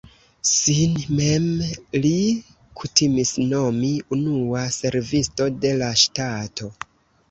Sin mem li kutimis nomi "unua servisto de la ŝtato".